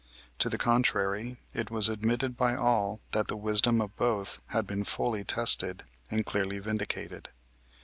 To the contrary it was admitted by all that the wisdom of both had been fully tested and clearly vindicated.